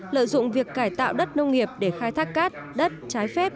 lợi dụng việc cải tạo đất nông nghiệp để khai thác cát đất trái phép